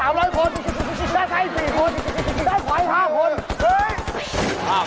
ด้านขวาย๕คน